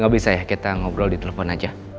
gak bisa ya kita ngobrol di telepon aja